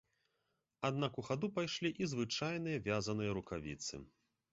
Аднак у хаду пайшлі і звычайныя вязаныя рукавіцы.